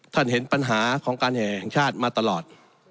เห็นปัญหาของการแห่แห่งชาติมาตลอด